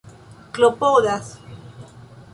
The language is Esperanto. klopodas